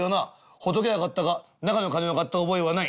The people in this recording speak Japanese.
仏は買ったが中の金を買った覚えはない」。